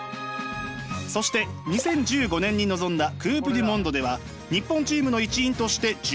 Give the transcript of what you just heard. そして２０１５年に臨んだクープ・デュ・モンドでは日本チームの一員として準優勝。